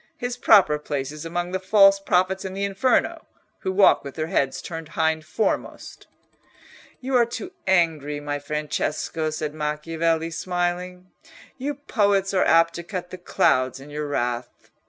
His proper place is among the false prophets in the Inferno, who walk with their heads turned hind foremost." "You are too angry, my Francesco," said Macchiavelli, smiling; "you poets are apt to cut the clouds in your wrath.